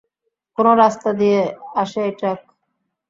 কোন রাস্তা দিয়ে আসে এই ট্রাক?